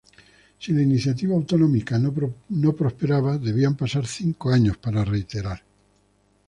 Si la iniciativa autonómica no prosperaba, debían pasar cinco años para reiterar.